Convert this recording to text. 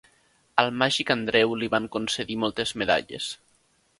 Al Màgic Andreu li van concedir moltes medalles.